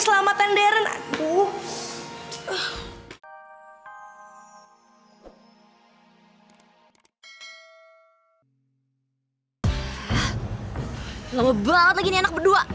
lama banget lagi nih anak berdua